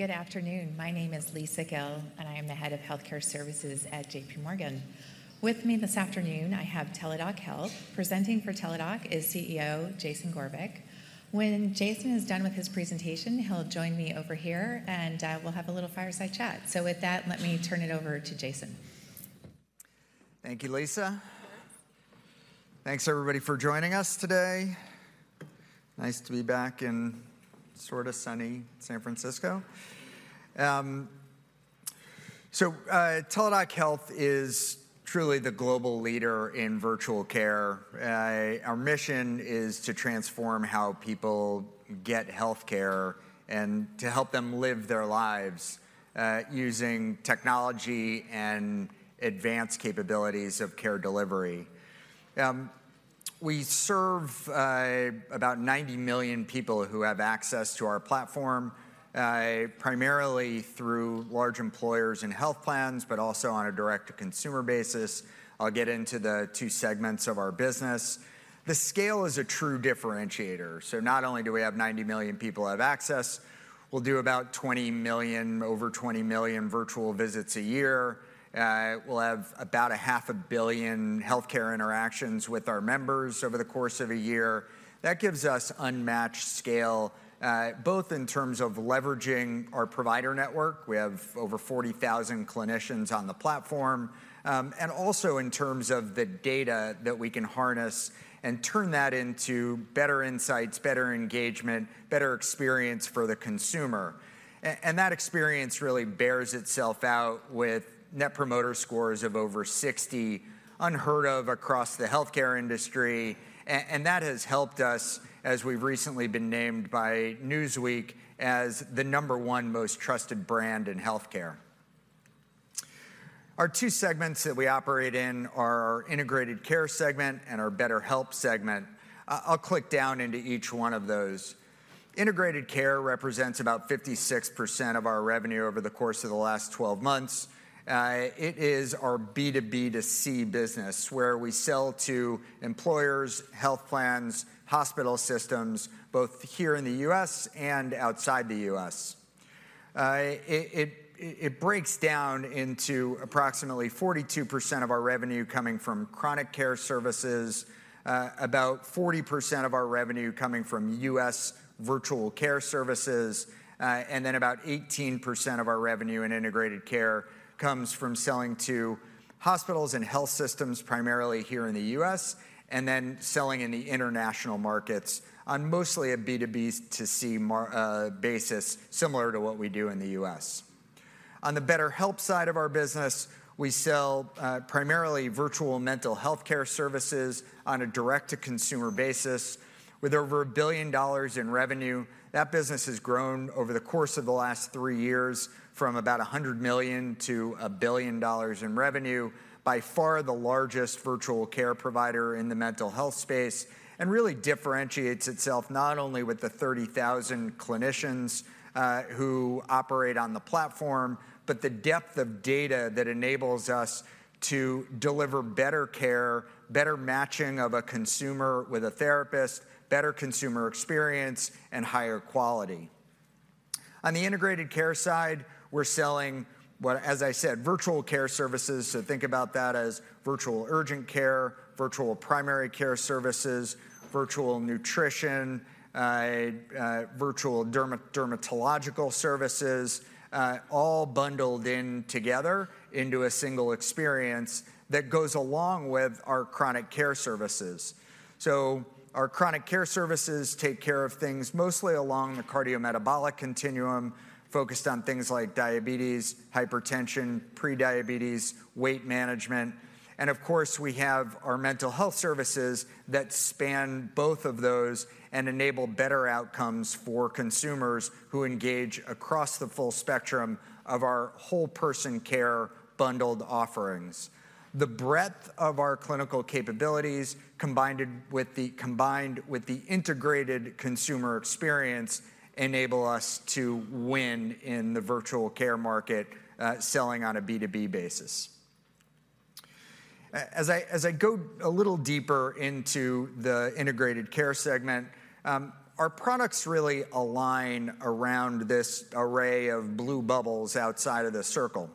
Good afternoon. My name is Lisa Gill, and I am the head of Healthcare Services at JPMorgan. With me this afternoon, I have Teladoc Health. Presenting for Teladoc is CEO Jason Gorevic. When Jason is done with his presentation, he'll join me over here, and we'll have a little fireside chat. With that, let me turn it over to Jason. Thank you, Lisa. Thanks, everybody, for joining us today. Nice to be back in sorta sunny San Francisco. Teladoc Health is truly the global leader in virtual care. Our mission is to transform how people get healthcare and to help them live their lives using technology and advanced capabilities of care delivery. We serve about 90 million people who have access to our platform primarily through large employers and health plans, but also on a direct-to-consumer basis. I'll get into the two segments of our business. The scale is a true differentiator, so not only do we have 90 million people who have access, we'll do about 20 million, over 20 million virtual visits a year. We'll have about 500 million healthcare interactions with our members over the course of a year. That gives us unmatched scale, both in terms of leveraging our provider network, we have over 40,000 clinicians on the platform, and also in terms of the data that we can harness and turn that into better insights, better engagement, better experience for the consumer. And that experience really bears itself out with Net Promoter Scores of over 60, unheard of across the healthcare industry. And that has helped us, as we've recently been named by Newsweek as the number one most trusted brand in healthcare. Our two segments that we operate in are our Integrated Care segment and our BetterHelp segment. I'll click down into each one of those. Integrated Care represents about 56% of our revenue over the course of the last 12 months. It is our B2B2C business, where we sell to employers, health plans, hospital systems, both here in the U.S. and outside the U.S. It breaks down into approximately 42% of our revenue coming from Chronic Care services, about 40% of our revenue coming from U.S. Virtual Care services, and then about 18% of our revenue in Integrated Care comes from selling to hospitals and health systems, primarily here in the U.S., and then selling in the international markets on mostly a B2B2C basis, similar to what we do in the U.S. On the BetterHelp side of our business, we sell primarily virtual mental healthcare services on a direct-to-consumer basis. With over $1 billion in revenue, that business has grown over the course of the last three years from about $100 million to $1 billion in revenue, by far the largest virtual care provider in the mental health space, and really differentiates itself not only with the 30,000 clinicians who operate on the platform, but the depth of data that enables us to deliver better care, better matching of a consumer with a therapist, better consumer experience, and higher quality. On the Integrated Care side, we're selling, well, as I said, virtual care services, so think about that as virtual urgent care, virtual primary care services, virtual nutrition, virtual dermatological services, all bundled in together into a single experience that goes along with our chronic care services. So our Chronic Care services take care of things mostly along the cardiometabolic continuum, focused on things like diabetes, hypertension, prediabetes, weight management, and of course, we have our mental health services that span both of those and enable better outcomes for consumers who engage across the full spectrum of our whole person care bundled offerings. The breadth of our clinical capabilities, combined with the integrated consumer experience, enable us to win in the virtual care market, selling on a B2B basis. As I go a little deeper into the Integrated Care segment, our products really align around this array of blue bubbles outside of the circle.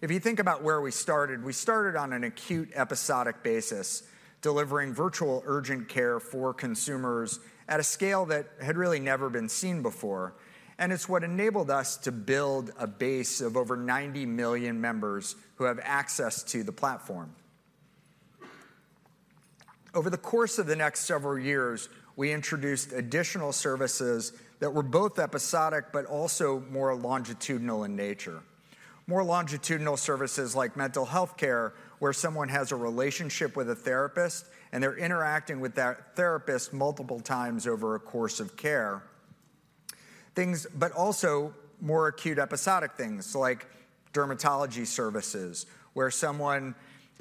If you think about where we started, we started on an acute, episodic basis, delivering virtual urgent care for consumers at a scale that had really never been seen before, and it's what enabled us to build a base of over 90 million members who have access to the platform. Over the course of the next several years, we introduced additional services that were both episodic but also more longitudinal in nature. More longitudinal services like mental health care, where someone has a relationship with a therapist, and they're interacting with that therapist multiple times over a course of care. Things, but also more acute episodic things, like dermatology services, where someone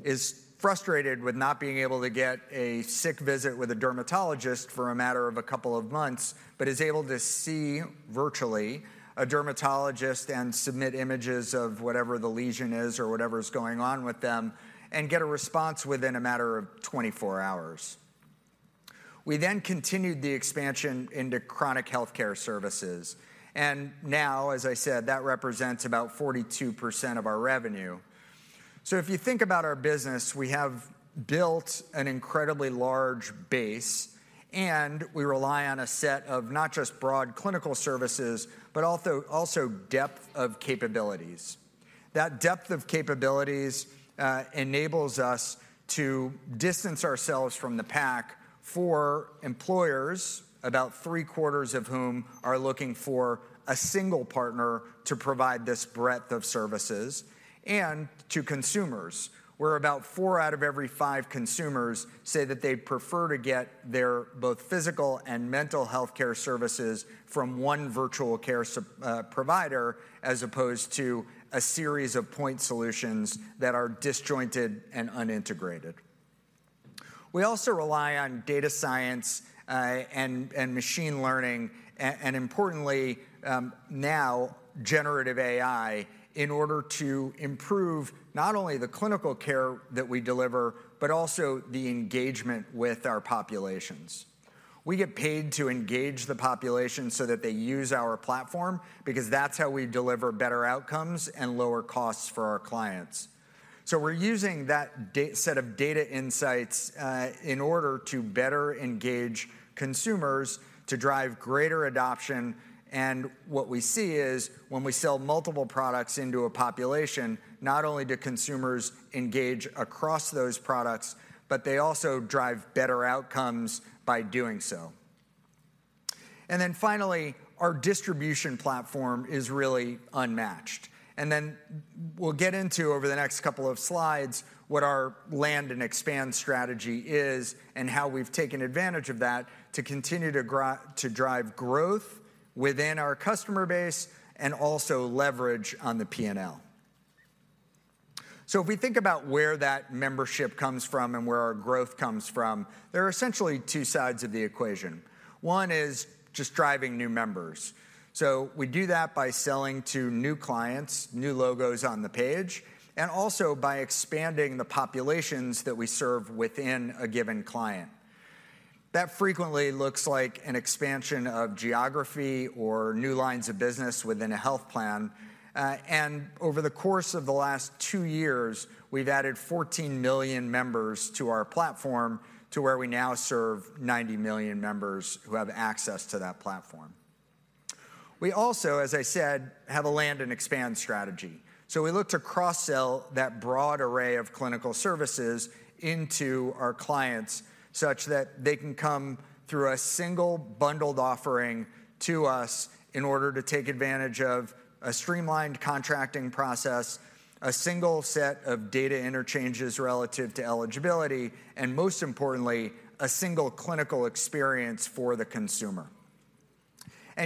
is frustrated with not being able to get a sick visit with a dermatologist for a matter of a couple of months, but is able to see, virtually, a dermatologist and submit images of whatever the lesion is or whatever is going on with them and get a response within a matter of 24 hours. We then continued the expansion into chronic healthcare services, and now, as I said, that represents about 42% of our revenue. So if you think about our business, we have built an incredibly large base, and we rely on a set of not just broad clinical services, but also depth of capabilities. That depth of capabilities enables us to distance ourselves from the pack for employers, about three-quarters of whom are looking for a single partner to provide this breadth of services, and to consumers, where about four out of every five consumers say that they prefer to get their both physical and mental healthcare services from one virtual care provider, as opposed to a series of point solutions that are disjointed and unintegrated. We also rely on data science, and machine learning, and importantly, now generative AI, in order to improve not only the clinical care that we deliver, but also the engagement with our populations. We get paid to engage the population so that they use our platform, because that's how we deliver better outcomes and lower costs for our clients. So we're using that dataset of data insights in order to better engage consumers to drive greater adoption, and what we see is when we sell multiple products into a population, not only do consumers engage across those products, but they also drive better outcomes by doing so. And then finally, our distribution platform is really unmatched. And then we'll get into, over the next couple of slides, what our land and expand strategy is, and how we've taken advantage of that to continue to drive growth within our customer base, and also leverage on the P&L. So if we think about where that membership comes from and where our growth comes from, there are essentially two sides of the equation. One is just driving new members. So we do that by selling to new clients, new logos on the page, and also by expanding the populations that we serve within a given client. That frequently looks like an expansion of geography or new lines of business within a health plan. And over the course of the last 2 years, we've added 14 million members to our platform, to where we now serve 90 million members who have access to that platform. We also, as I said, have a land and expand strategy. So we look to cross-sell that broad array of clinical services into our clients, such that they can come through a single bundled offering to us in order to take advantage of a streamlined contracting process, a single set of data interchanges relative to eligibility, and most importantly, a single clinical experience for the consumer.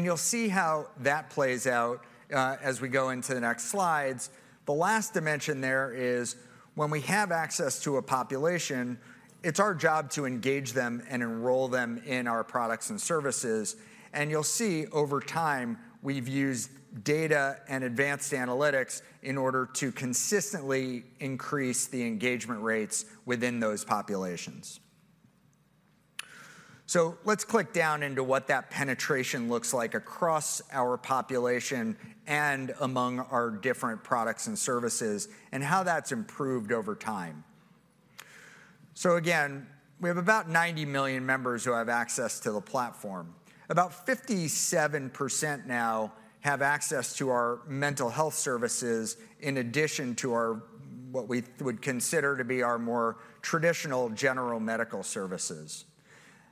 You'll see how that plays out, as we go into the next slides. The last dimension there is, when we have access to a population, it's our job to engage them and enroll them in our products and services. You'll see over time, we've used data and advanced analytics in order to consistently increase the engagement rates within those populations. Let's click down into what that penetration looks like across our population and among our different products and services, and how that's improved over time. Again, we have about 90 million members who have access to the platform. About 57% now have access to our mental health services, in addition to our, what we would consider to be our more traditional general medical services.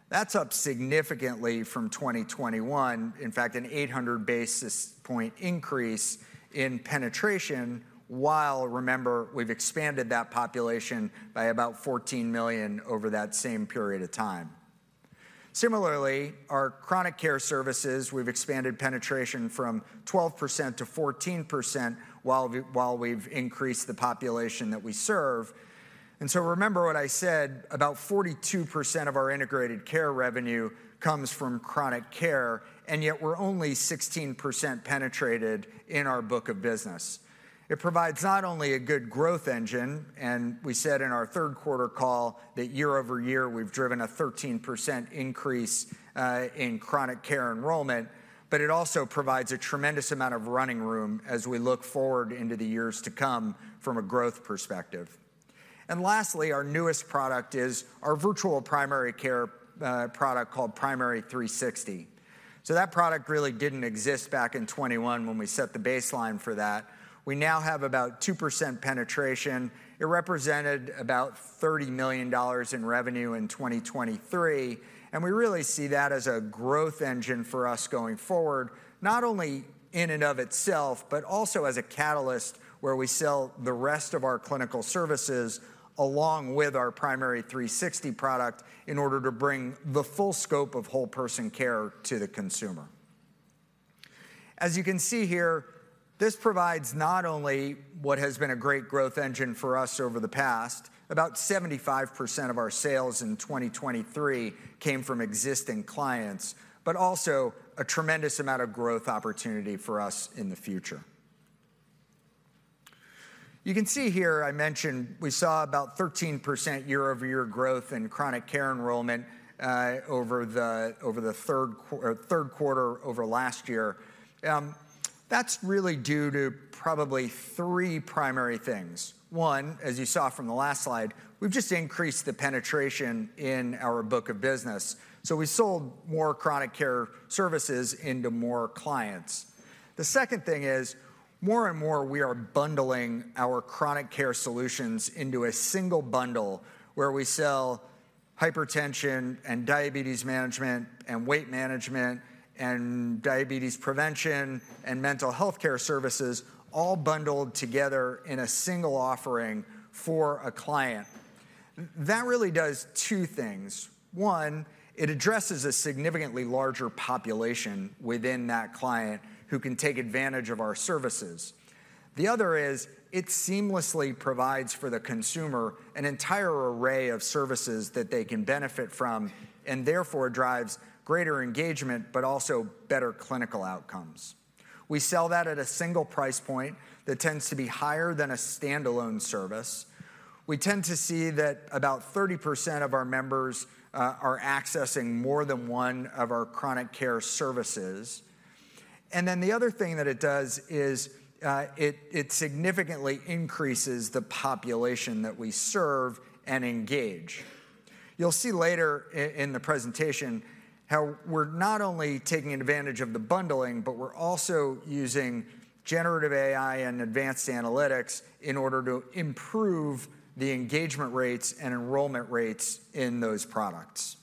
That's up significantly from 2021, in fact, an 800 basis point increase in penetration, while, remember, we've expanded that population by about 14 million over that same period of time. Similarly, our Chronic Care services, we've expanded penetration from 12%-14%, while we've increased the population that we serve. And so remember what I said, about 42% of our Integrated Care revenue comes from Chronic Care, and yet we're only 16% penetrated in our book of business. It provides not only a good growth engine, and we said in our third quarter call that year-over-year, we've driven a 13% increase in Chronic Care enrollment, but it also provides a tremendous amount of running room as we look forward into the years to come from a growth perspective. And lastly, our newest product is our virtual primary care product called Primary360. So that product really didn't exist back in 2021 when we set the baseline for that. We now have about 2% penetration. It represented about $30 million in revenue in 2023, and we really see that as a growth engine for us going forward, not only in and of itself, but also as a catalyst where we sell the rest of our clinical services, along with our Primary360 product, in order to bring the full scope of whole person care to the consumer. As you can see here, this provides not only what has been a great growth engine for us over the past, about 75% of our sales in 2023 came from existing clients, but also a tremendous amount of growth opportunity for us in the future. You can see here, I mentioned we saw about 13% year-over-year growth in Chronic Care enrollment over the third quarter over last year. That's really due to probably three primary things. One, as you saw from the last slide, we've just increased the penetration in our book of business. So we sold more Chronic Care services into more clients. The second thing is, more and more, we are bundling our chronic care solutions into a single bundle, where we sell hypertension and diabetes management, and weight management, and diabetes prevention, and mental healthcare services all bundled together in a single offering for a client. That really does two things: One, it addresses a significantly larger population within that client who can take advantage of our services. The other is, it seamlessly provides for the consumer an entire array of services that they can benefit from, and therefore drives greater engagement, but also better clinical outcomes. We sell that at a single price point that tends to be higher than a standalone service. We tend to see that about 30% of our members are accessing more than one of our chronic care services. And then the other thing that it does is it significantly increases the population that we serve and engage. You'll see later in the presentation how we're not only taking advantage of the bundling, but we're also using generative AI and advanced analytics in order to improve the engagement rates and enrollment rates in those products.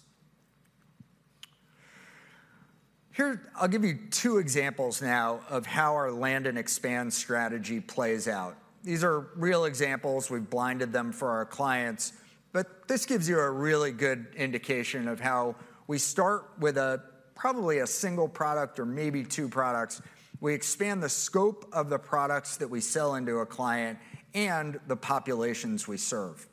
Here, I'll give you two examples now of how our land and expand strategy plays out. These are real examples. We've blinded them for our clients, but this gives you a really good indication of how we start with probably a single product or maybe two products. We expand the scope of the products that we sell into a client and the populations we serve.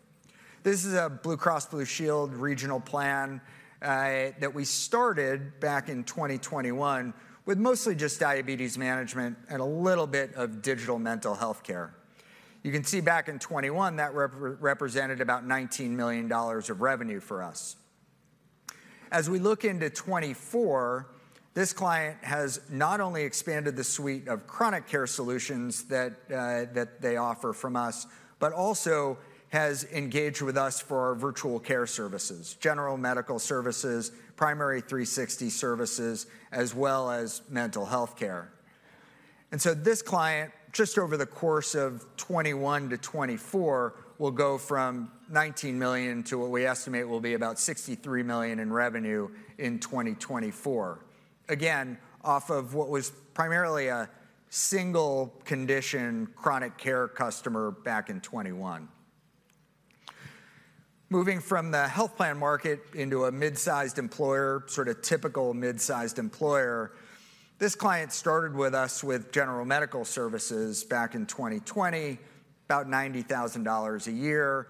This is a Blue Cross Blue Shield regional plan that we started back in 2021, with mostly just diabetes management and a little bit of digital mental healthcare. You can see back in 2021, that represented about $19 million of revenue for us. As we look into 2024, this client has not only expanded the suite of chronic care solutions that they offer from us, but also has engaged with us for our virtual care services, general medical services, Primary360 services, as well as mental health care. This client, just over the course of 2021-2024, will go from $19 million to what we estimate will be about $63 million in revenue in 2024. Again, off of what was primarily a single condition, chronic care customer back in 2021. Moving from the health plan market into a mid-sized employer, sort of typical mid-sized employer, this client started with us with general medical services back in 2020, about $90,000 a year.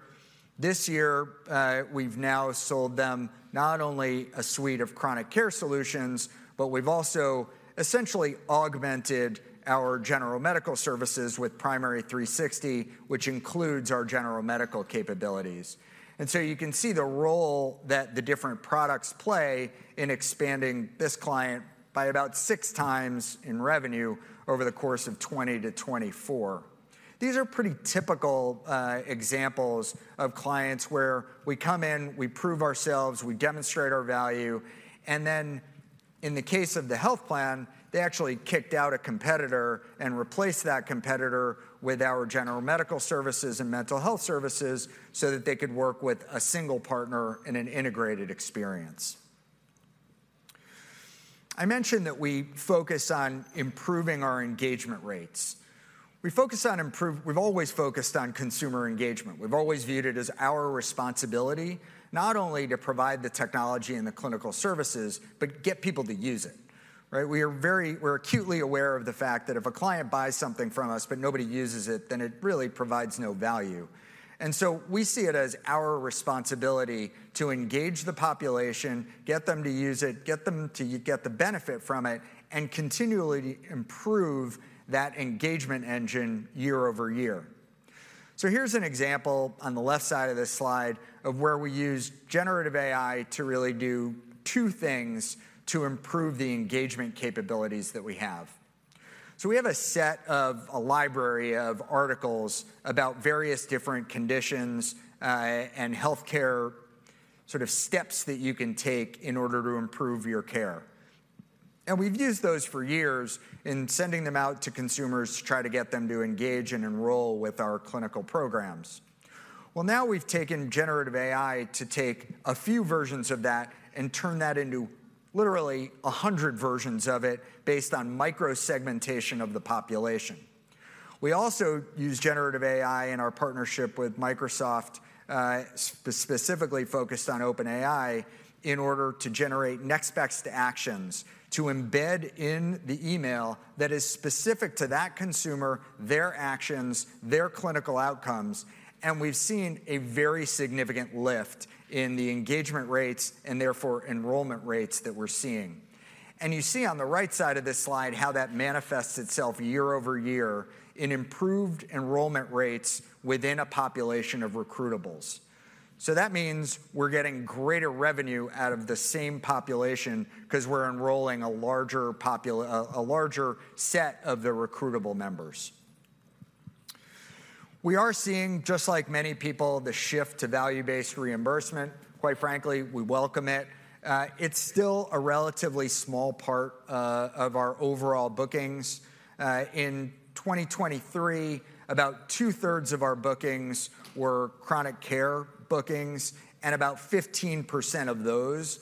This year, we've now sold them not only a suite of chronic care solutions, but we've also essentially augmented our general medical services with Primary360, which includes our general medical capabilities. And so you can see the role that the different products play in expanding this client by about 6x in revenue over the course of 2020-2024. These are pretty typical examples of clients where we come in, we prove ourselves, we demonstrate our value, and then in the case of the health plan, they actually kicked out a competitor and replaced that competitor with our general medical services and mental health services so that they could work with a single partner in an integrated experience. I mentioned that we focus on improving our engagement rates. We've always focused on consumer engagement. We've always viewed it as our responsibility, not only to provide the technology and the clinical services, but get people to use it, right? We're acutely aware of the fact that if a client buys something from us, but nobody uses it, then it really provides no value. And so we see it as our responsibility to engage the population, get them to use it, get them to get the benefit from it, and continually improve that engagement engine year over year. So here's an example on the left side of this slide of where we used generative AI to really do two things to improve the engagement capabilities that we have. So we have a set of a library of articles about various different conditions, and healthcare sort of steps that you can take in order to improve your care. And we've used those for years in sending them out to consumers to try to get them to engage and enroll with our clinical programs. Well, now we've taken generative AI to take a few versions of that and turn that into literally a hundred versions of it based on micro-segmentation of the population. We also use generative AI in our partnership with Microsoft, specifically focused on OpenAI, in order to generate next best actions, to embed in the email that is specific to that consumer, their actions, their clinical outcomes, and we've seen a very significant lift in the engagement rates, and therefore enrollment rates that we're seeing. You see on the right side of this slide how that manifests itself year-over-year in improved enrollment rates within a population of recruitables. That means we're getting greater revenue out of the same population because we're enrolling a larger set of the recruitable members. We are seeing, just like many people, the shift to value-based reimbursement. Quite frankly, we welcome it. It's still a relatively small part of our overall bookings. In 2023, about two-thirds of our bookings were chronic care bookings, and about 15% of those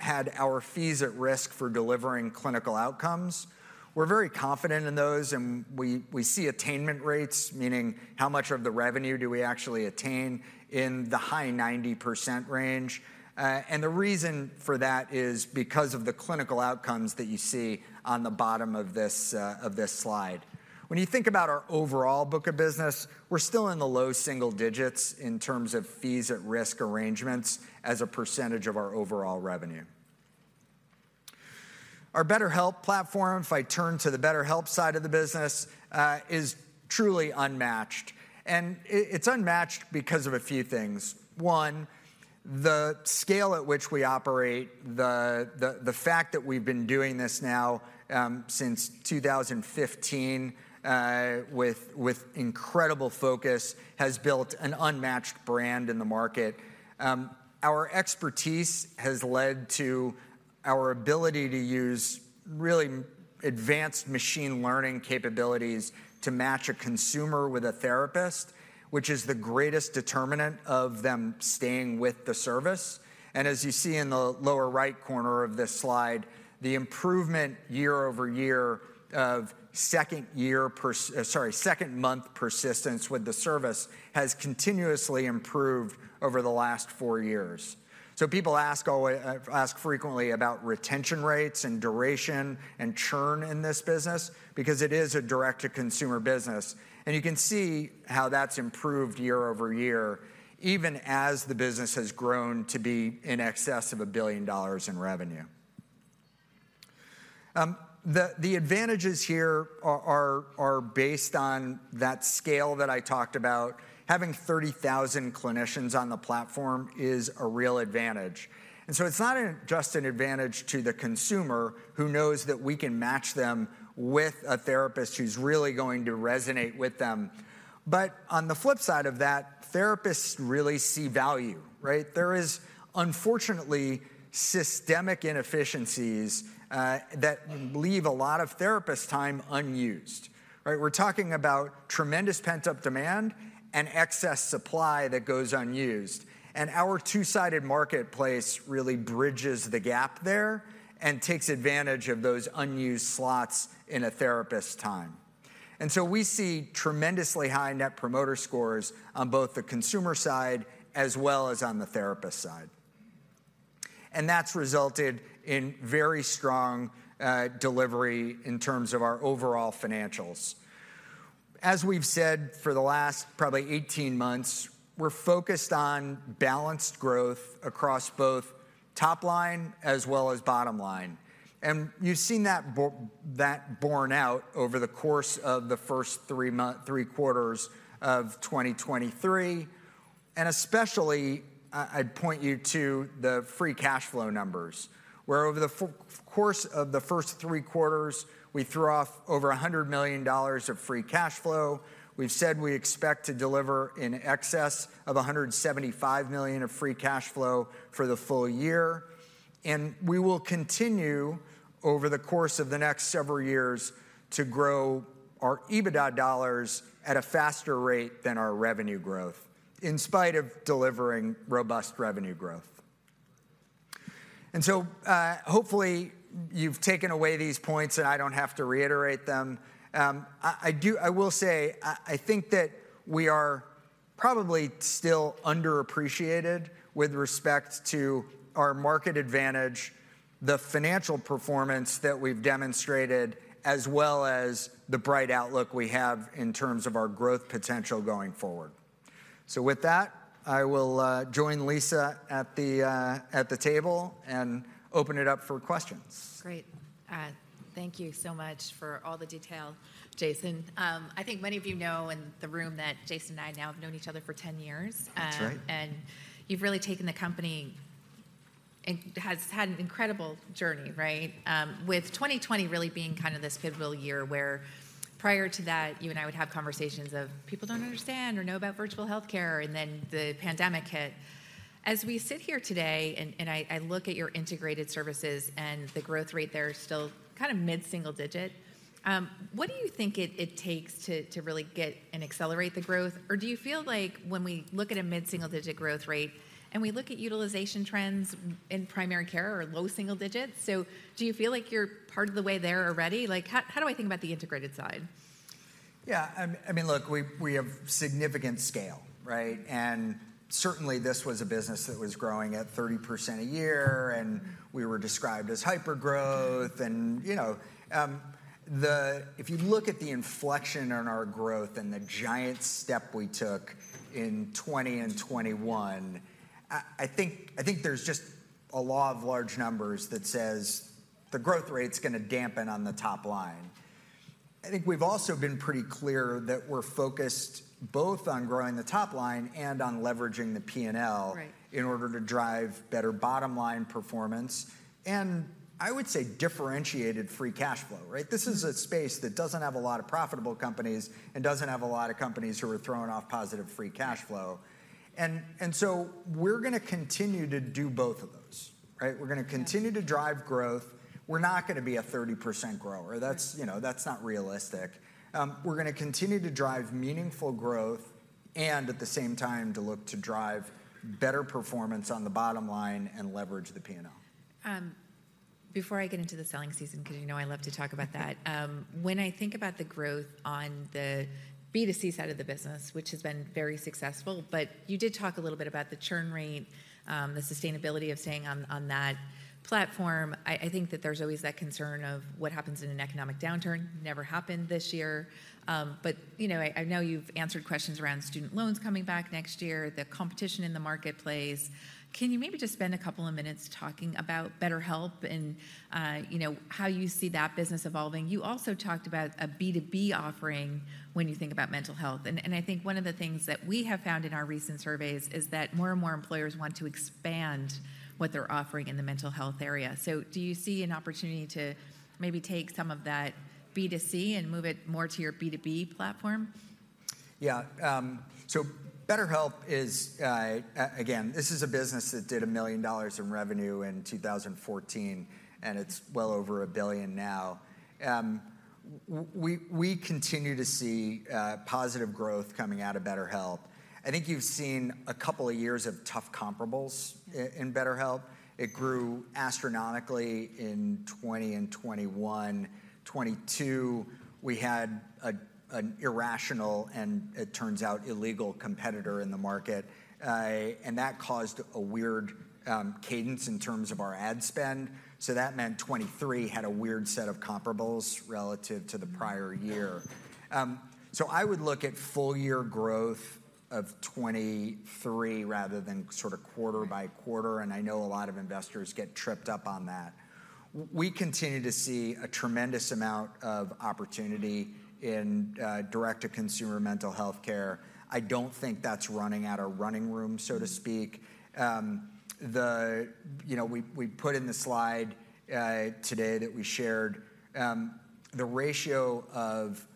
had our fees at risk for delivering clinical outcomes. We're very confident in those, and we, we see attainment rates, meaning how much of the revenue do we actually attain, in the high 90% range. And the reason for that is because of the clinical outcomes that you see on the bottom of this, of this slide. When you think about our overall book of business, we're still in the low single digits in terms of fees at risk arrangements as a percentage of our overall revenue. Our BetterHelp platform, if I turn to the BetterHelp side of the business, is truly unmatched, and it, it's unmatched because of a few things. One, the scale at which we operate, the fact that we've been doing this now since 2015 with incredible focus has built an unmatched brand in the market. Our expertise has led to our ability to use really advanced machine learning capabilities to match a consumer with a therapist, which is the greatest determinant of them staying with the service. And as you see in the lower right corner of this slide, the improvement year over year of second-month persistence with the service has continuously improved over the last four years. So people ask frequently about retention rates, and duration, and churn in this business because it is a direct-to-consumer business, and you can see how that's improved year-over-year, even as the business has grown to be in excess of $1 billion in revenue. The advantages here are based on that scale that I talked about. Having 30,000 clinicians on the platform is a real advantage, and so it's not just an advantage to the consumer, who knows that we can match them with a therapist who's really going to resonate with them. But on the flip side of that, therapists really see value, right? There is, unfortunately, systemic inefficiencies that leave a lot of therapists' time unused, right? We're talking about tremendous pent-up demand and excess supply that goes unused, and our two-sided marketplace really bridges the gap there and takes advantage of those unused slots in a therapist's time. And so we see tremendously high Net Promoter scores on both the consumer side as well as on the therapist side, and that's resulted in very strong delivery in terms of our overall financials. As we've said, for the last probably 18 months, we're focused on balanced growth across both top line as well as bottom line, and you've seen that borne out over the course of the first three quarters of 2023. And especially, I'd point you to the free cash flow numbers, where over the course of the first three quarters, we threw off over $100 million of free cash flow. We've said we expect to deliver in excess of $175 million of free cash flow for the full year, and we will continue, over the course of the next several years, to grow our EBITDA dollars at a faster rate than our revenue growth, in spite of delivering robust revenue growth. And so, hopefully you've taken away these points, and I don't have to reiterate them. I will say, I think that we are probably still underappreciated with respect to our market advantage, the financial performance that we've demonstrated, as well as the bright outlook we have in terms of our growth potential going forward. So with that, I will join Lisa at the table and open it up for questions. Great. Thank you so much for all the detail, Jason. I think many of you know in the room that Jason and I now have known each other for 10 years. That's right. And you've really taken the company and it has had an incredible journey, right? With 2020 really being kind of this pivotal year, where prior to that, you and I would have conversations of, "People don't understand or know about virtual healthcare," and then the pandemic hit. As we sit here today and I look at your integrated services and the growth rate there is still kind of mid-single-digit, what do you think it takes to really get and accelerate the growth? Or do you feel like when we look at a mid-single-digit growth rate, and we look at utilization trends in primary care or low single digits, so do you feel like you're part of the way there already? Like, how do I think about the integrated side? Yeah, I mean, look, we, we have significant scale, right? And certainly, this was a business that was growing at 30% a year, and we were described as hypergrowth. And, you know, if you look at the inflection on our growth and the giant step we took in 2020 and 2021, I think, I think there's just a law of large numbers that says the growth rate's gonna dampen on the top line. I think we've also been pretty clear that we're focused both on growing the top line and on leveraging the P&L in order to drive better bottom line performance, and I would say differentiated free cash flow, right? This is a space that doesn't have a lot of profitable companies and doesn't have a lot of companies who are throwing off positive free cash flow. Right. So we're gonna continue to do both of those, right? Yeah. We're gonna continue to drive growth. We're not gonna be a 30% grower. That's, you know, that's not realistic. We're gonna continue to drive meaningful growth and at the same time, to look to drive better performance on the bottom line and leverage the P&L. Before I get into the selling season, 'cause you know I love to talk about that, when I think about the growth on the B2C side of the business, which has been very successful, but you did talk a little bit about the churn rate, the sustainability of staying on that platform. I think that there's always that concern of what happens in an economic downturn. Never happened this year, but, you know, I know you've answered questions around student loans coming back next year, the competition in the marketplace. Can you maybe just spend a couple of minutes talking about BetterHelp and, you know, how you see that business evolving? You also talked about a B2B offering when you think about mental health, and I think one of the things that we have found in our recent surveys is that more and more employers want to expand what they're offering in the mental health area. So do you see an opportunity to maybe take some of that B2C and move it more to your B2B platform? Yeah, so BetterHelp is again, this is a business that did $1 million in revenue in 2014, and it's well over $1 billion now. We continue to see positive growth coming out of BetterHelp. I think you've seen a couple of years of tough comparables in BetterHelp. It grew astronomically in 2020 and 2021. 2022, we had an irrational, and it turns out, illegal competitor in the market, and that caused a weird cadence in terms of our ad spend. So that meant 2023 had a weird set of comparables relative to the prior year. I would look at full year growth of 2023 rather than sort of quarter-by-quarter. Right. I know a lot of investors get tripped up on that. We continue to see a tremendous amount of opportunity in direct-to-consumer mental health care. I don't think that's running out of running room, so to speak. You know, we put in the slide today that we shared, the ratio of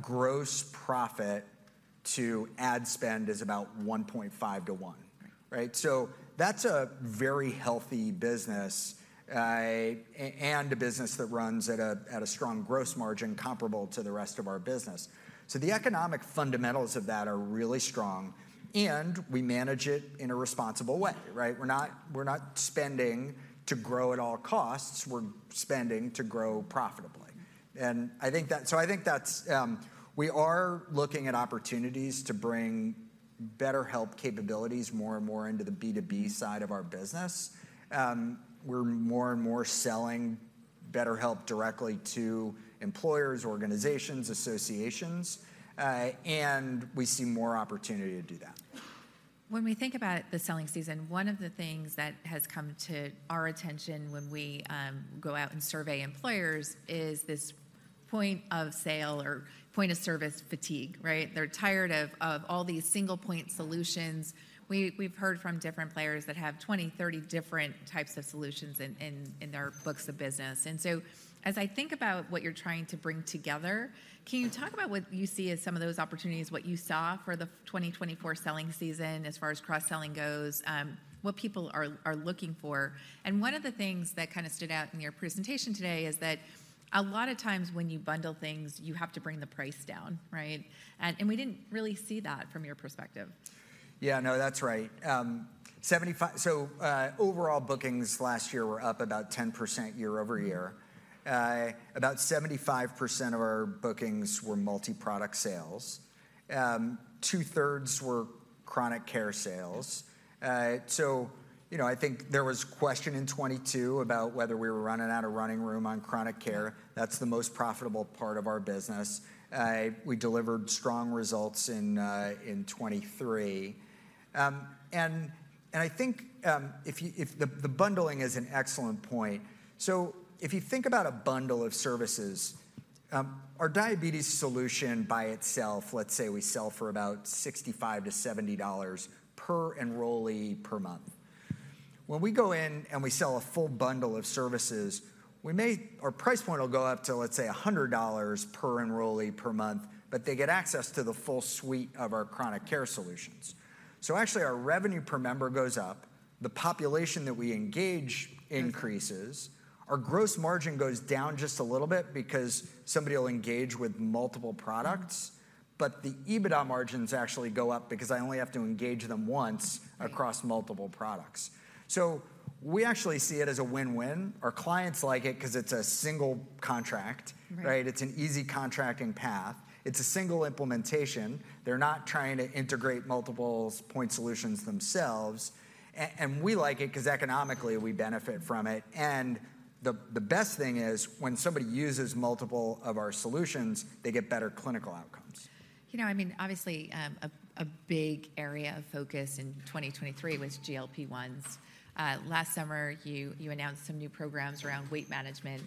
gross profit to ad spend is about 1.5:1. Right. Right? So that's a very healthy business, and a business that runs at a strong gross margin, comparable to the rest of our business. So the economic fundamentals of that are really strong, and we manage it in a responsible way, right? We're not, we're not spending to grow at all costs. We're spending to grow profitably. So I think that's we are looking at opportunities to bring BetterHelp capabilities more and more into the B2B side of our business. We're more and more selling BetterHelp directly to employers, organizations, associations, and we see more opportunity to do that. When we think about the selling season, one of the things that has come to our attention when we go out and survey employers, is this point of sale or point of service fatigue, right? They're tired of all these single-point solutions. We, we've heard from different players that have 20, 30 different types of solutions in their books of business. And so, as I think about what you're trying to bring together, can you talk about what you see as some of those opportunities, what you saw for the 2024 selling season, as far as cross-selling goes, what people are looking for? And one of the things that kind of stood out in your presentation today is that a lot of times when you bundle things, you have to bring the price down, right? We didn't really see that from your perspective. Yeah, no, that's right. 75—so, overall bookings last year were up about 10% year-over-year. About 75% of our bookings were multi-product sales. Two-thirds were chronic care sales. So, you know, I think there was question in 2022 about whether we were running out of running room on chronic care. That's the most profitable part of our business. We delivered strong results in 2023. And I think if you, if the bundling is an excellent point. So if you think about a bundle of services, our diabetes solution by itself, let's say we sell for about $65-$70 per enrollee per month. When we go in and we sell a full bundle of services, we may, our price point will go up to, let's say, $100 per enrollee per month, but they get access to the full suite of our chronic care solutions. So actually, our revenue per member goes up, the population that we engage increases. Our gross margin goes down just a little bit because somebody will engage with multiple products, but the EBITDA margins actually go up because I only have to engage them once across multiple products. So we actually see it as a win-win. Our clients like it because it's a single contract. Right. Right? It's an easy contracting path. It's a single implementation. They're not trying to integrate multiple point solutions themselves. And we like it 'cause economically we benefit from it. And the best thing is, when somebody uses multiple of our solutions, they get better clinical outcomes. You know, I mean, obviously, a big area of focus in 2023 was GLP-1s. Last summer, you announced some new programs around weight management.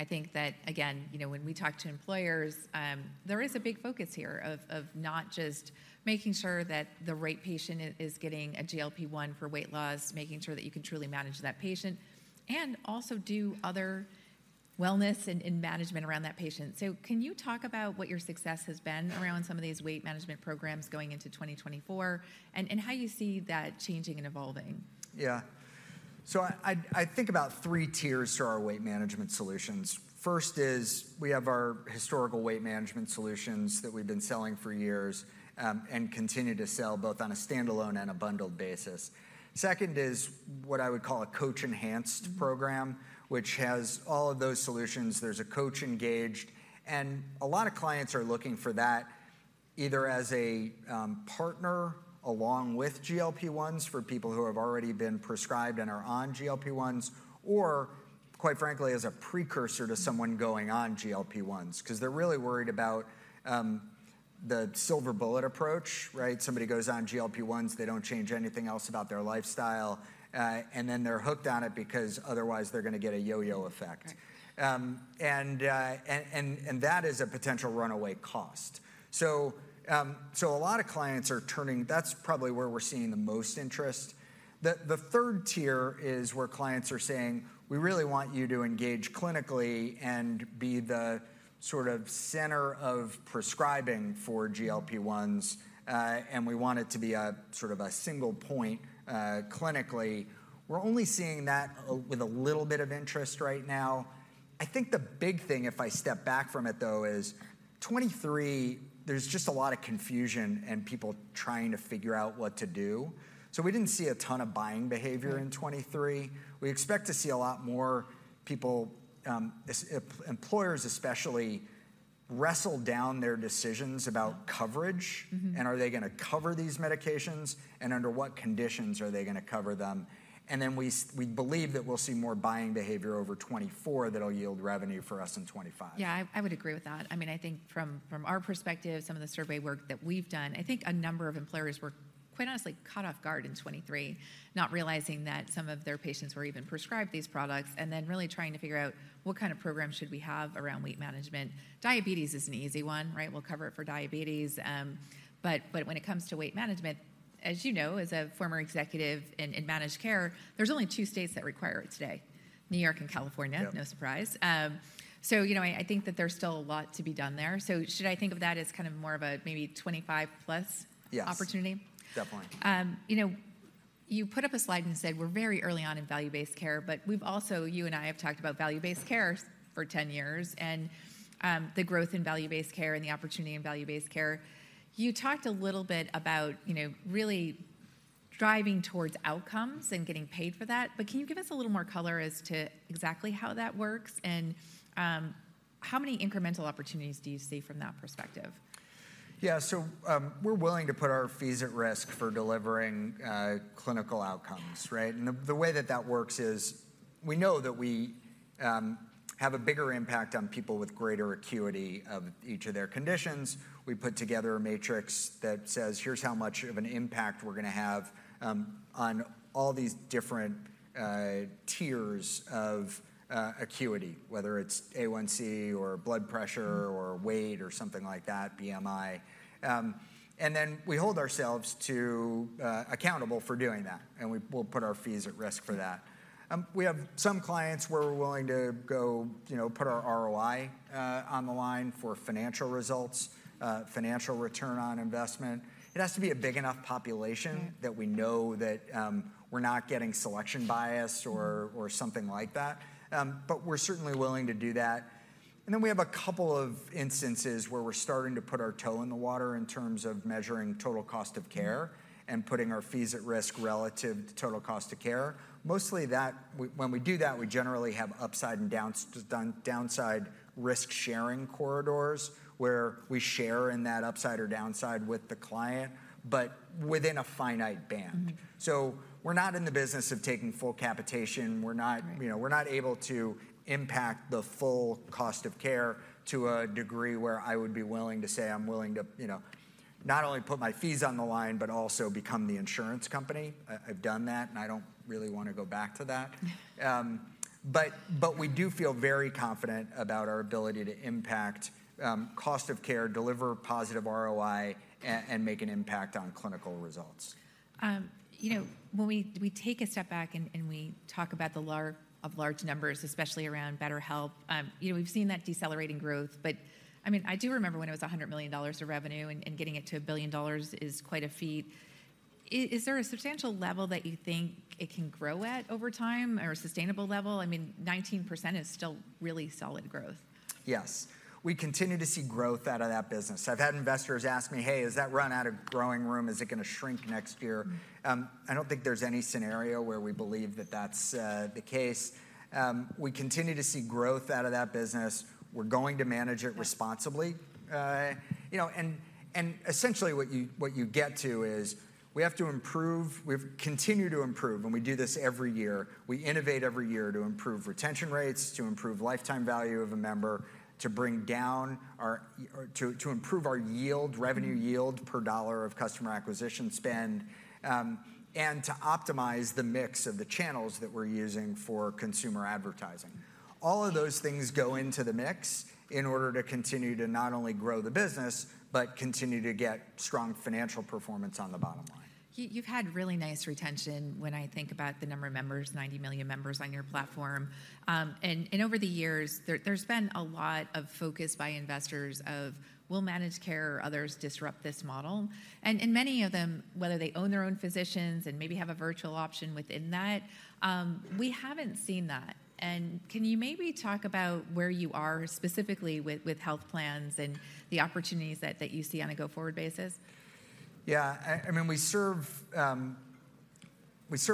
I think that, again, you know, when we talk to employers, there is a big focus here of not just making sure that the right patient is getting a GLP-1 for weight loss, making sure that you can truly manage that patient, and also do other wellness and management around that patient. So can you talk about what your success has been around some of these weight management programs going into 2024, and how you see that changing and evolving? Yeah. So I think about three tiers to our weight management solutions. First is we have our historical weight management solutions that we've been selling for years, and continue to sell both on a standalone and a bundled basis. Second is what I would call a coach-enhanced program, which has all of those solutions. There's a coach engaged, and a lot of clients are looking for that, either as a partner along with GLP-1s, for people who have already been prescribed and are on GLP-1s, or quite frankly, as a precursor to someone going on GLP-1s. Because they're really worried about the silver bullet approach, right? Somebody goes on GLP-1s, they don't change anything else about their lifestyle, and then they're hooked on it because otherwise they're gonna get a yo-yo effect. Right. And that is a potential runaway cost. So a lot of clients are turning, that's probably where we're seeing the most interest. The third tier is where clients are saying, we really want you to engage clinically and be the sort of center of prescribing for GLP-1s, and we want it to be a sort of a single point, clinically. We're only seeing that with a little bit of interest right now. I think the big thing, if I step back from it, though, is 2023, there's just a lot of confusion and people trying to figure out what to do. So we didn't see a ton of buying behavior in 2023. We expect to see a lot more people, employers especially, wrestle down their decisions about coverage and are they gonna cover these medications, and under what conditions are they gonna cover them? And then we believe that we'll see more buying behavior over 2024 that'll yield revenue for us in 2025. Yeah, I would agree with that. I mean, I think from our perspective, some of the survey work that we've done, I think a number of employers were quite honestly caught off guard in 2023, not realizing that some of their patients were even prescribed these products, and then really trying to figure out: What kind of program should we have around weight management? Diabetes is an easy one, right? We'll cover it for diabetes, but when it comes to weight management, as you know, as a former executive in managed care, there's only two states that require it today, New York and California. Yeah. No surprise. So you know, I think that there's still a lot to be done there. So should I think of that as kind of more of a maybe 25+. Yes Opportunity? Definitely. You know, you put up a slide and said, we're very early on in value-based care, but we've also you and I have talked about value-based care for 10 years and the growth in value-based care and the opportunity in value-based care. You talked a little bit about, you know, really driving towards outcomes and getting paid for that. But can you give us a little more color as to exactly how that works, and how many incremental opportunities do you see from that perspective? Yeah. So, we're willing to put our fees at risk for delivering, clinical outcomes, right? And the way that that works is, we know that we have a bigger impact on people with greater acuity of each of their conditions. We put together a matrix that says: Here's how much of an impact we're gonna have on all these different tiers of acuity, whether it's A1C, or blood pressure or weight, or something like that, BMI. And then we hold ourselves to accountable for doing that, and we'll put our fees at risk for that. We have some clients where we're willing to go, you know, put our ROI on the line for financial results, financial return on investment. It has to be a big enough population that we know that we're not getting selection bias or something like that. But we're certainly willing to do that. And then we have a couple of instances where we're starting to put our toe in the water in terms of measuring total cost of care and putting our fees at risk relative to total cost of care. Mostly, that, when we do that, we generally have upside and downside risk-sharing corridors, where we share in that upside or downside with the client, but within a finite band. So we're not in the business of taking full capitation. We're not you know, we're not able to impact the full cost of care to a degree where I would be willing to say: I'm willing to, you know, not only put my fees on the line, but also become the insurance company. I, I've done that, and I don't really want to go back to that. But we do feel very confident about our ability to impact cost of care, deliver positive ROI, and make an impact on clinical results. You know, when we take a step back and we talk about the large numbers, especially around BetterHelp, you know, we've seen that decelerating growth. But, I mean, I do remember when it was $100 million of revenue, and getting it to $1 billion is quite a feat. Is there a substantial level that you think it can grow at over time, or a sustainable level? I mean, 19% is still really solid growth. Yes. We continue to see growth out of that business. I've had investors ask me, Hey, has that run out of growing room? Is it gonna shrink next year? I don't think there's any scenario where we believe that that's the case. We continue to see growth out of that business. We're going to manage it responsibly. You know, and essentially, what you get to is, we have to improve, continue to improve, and we do this every year. We innovate every year to improve retention rates, to improve lifetime value of a member to bring down our, or to improve our yield, revenue yield per dollar of customer acquisition spend, and to optimize the mix of the channels that we're using for consumer advertising. All of those things go into the mix in order to continue to not only grow the business, but continue to get strong financial performance on the bottom line. You've had really nice retention when I think about the number of members, 90 million members on your platform. And over the years, there's been a lot of focus by investors of will managed care or others disrupt this model? And many of them, whether they own their own physicians and maybe have a virtual option within that, we haven't seen that. And can you maybe talk about where you are specifically with health plans and the opportunities that you see on a go-forward basis? Yeah. I mean, we serve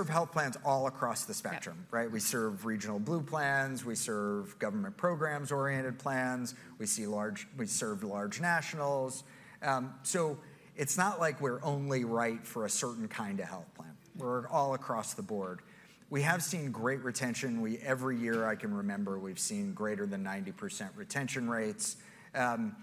health plans all across the spectrum, right? We serve regional blue plans, we serve government programs-oriented plans, we serve large nationals. So it's not like we're only right for a certain kind of health plan. We're all across the board. We have seen great retention. Every year I can remember, we've seen greater than 90% retention rates. And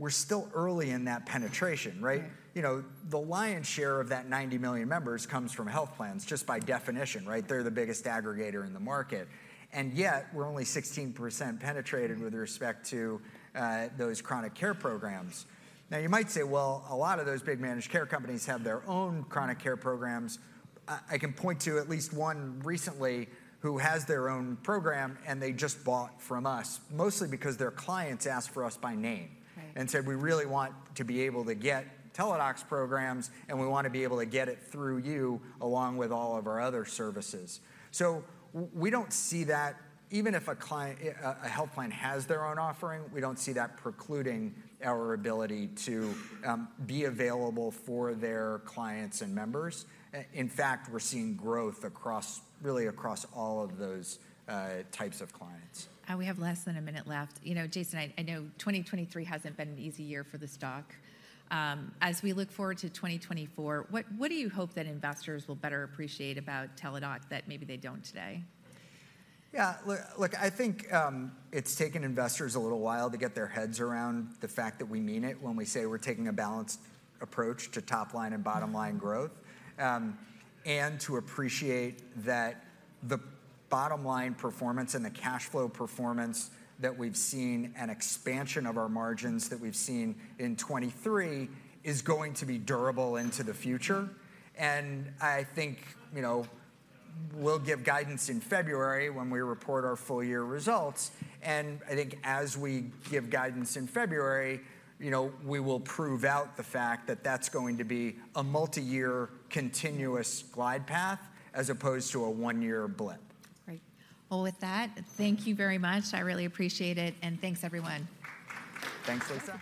we're still early in that penetration, right? Yeah. You know, the lion's share of that 90 million members comes from health plans, just by definition, right? They're the biggest aggregator in the market, and yet we're only 16% penetrated with respect to those chronic care programs. Now, you might say, well, a lot of those big managed care companies have their own chronic care programs. I can point to at least one recently, who has their own program, and they just bought from us, mostly because their clients asked for us by name and said, we really want to be able to get Teladoc's programs, and we want to be able to get it through you, along with all of our other services. So we don't see that. Even if a client, a health plan has their own offering, we don't see that precluding our ability to be available for their clients and members. In fact, we're seeing growth across, really across all of those types of clients. We have less than a minute left. You know, Jason, I know 2023 hasn't been an easy year for the stock. As we look forward to 2024, what do you hope that investors will better appreciate about Teladoc that maybe they don't today? Yeah, look, look, I think it's taken investors a little while to get their heads around the fact that we mean it when we say we're taking a balanced approach to top-line and bottom-line growth. And to appreciate that the bottom-line performance and the cash flow performance that we've seen, and expansion of our margins that we've seen in 2023, is going to be durable into the future. And I think, you know, we'll give guidance in February when we report our full-year results, and I think as we give guidance in February, you know, we will prove out the fact that that's going to be a multi-year continuous glide path, as opposed to a one-year blip. Great. Well, with that, thank you very much. I really appreciate it, and thanks, everyone. Thanks, Lisa.